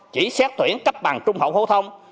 chỉ xét tuyển cấp bằng trung học phổ thông